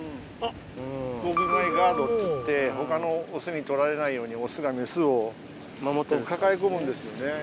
交尾前ガードっていって他のオスに取られないようにオスがメスを抱え込むんですよね。